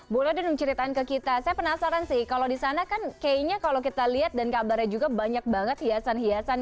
boleh dong ceritain ke kita saya penasaran sih kalau di sana kan kayaknya kalau kita lihat dan kabarnya juga banyak banget hiasan hiasan